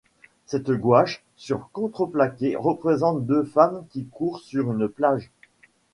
Cette gouache sur contreplaqué représente deux femmes qui courent sur une plage.